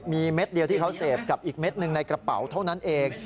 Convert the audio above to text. มีเม็ดเดียวที่เขาเสพกับอีกเม็ดหนึ่งในกระเป๋าเท่านั้นเอง